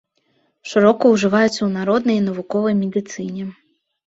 Шырока ўжываецца ў народнай і навуковай медыцыне.